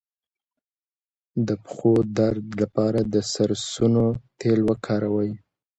د پښو درد لپاره د سرسونو تېل وکاروئ